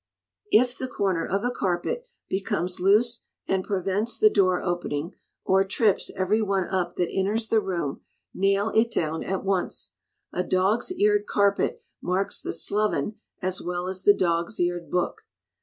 If the corner of a carpet becomes loose and prevents the door opening, or trips every one up that enters the room, nail it down at once. A dog's eared carpet marks the sloven as well as the dog's eared book.